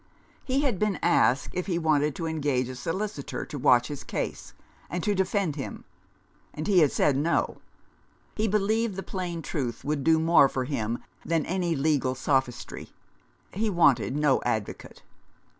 He had been asked if he wanted to engage a solicitor to watch his case, and to defend him ; and he had said no. He believed the plain truth would do more for him than any legal sophistry. He wanted no advocate.